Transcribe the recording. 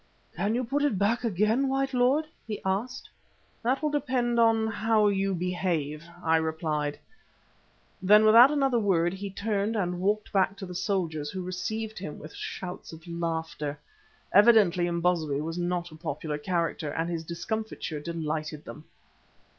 "Can you put it back again, white lord?" he asked. "That will depend upon how you behave," I replied. Then without another word he turned and walked back to the soldiers, who received him with shouts of laughter. Evidently Imbozwi was not a popular character, and his discomfiture delighted them.